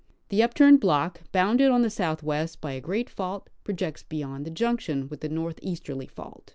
The upturned block, bounded on the southwest by a great fault, projects beyond the junction with the northeasterly fault.